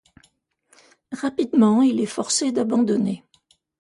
Rapidement, il est forcé d'abandonner.